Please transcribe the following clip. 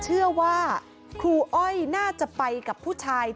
มีเรื่องอะไรมาคุยกันรับได้ทุกอย่าง